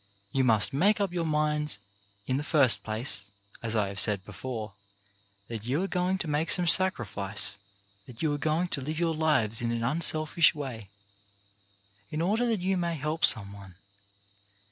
You must make up your minds in the first place, as I have said before, that you are going to make some sacrifice, that you are going to live your lives in an unselfish way, in order that you may help some one.